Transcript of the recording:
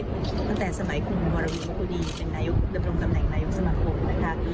ตั้งแต่สมัยคุณมรวมรวมคุณีเป็นดำรงกำแหน่งนายกสมคม